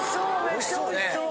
おいしそうね。